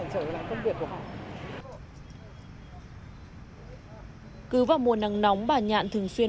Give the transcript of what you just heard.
đặc biệt đối với người có tiền